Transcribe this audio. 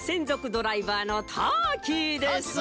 ドライバーのターキーです。